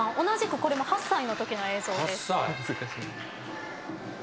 同じくこれも８歳のときの映像です。